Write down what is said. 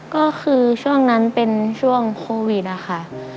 ก็คือช่วงนั้นเป็นช่วงโควิดนะคะ